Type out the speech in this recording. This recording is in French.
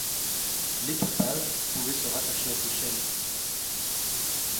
L’étoupage pouvait se rattacher à ces chaînes.